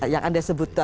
yang anda sebut